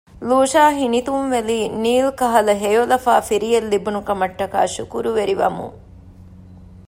ލޫޝާ ހިނިތުންވެލީ ނީލް ކަހަލަ ހެޔޮލަފާ ފިރިއެއް ލިބުނުކަމަށްޓަކައި ޝުކުރުވެރިވަމުން